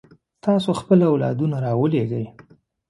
تاسو خپل اولادونه رالېږئ.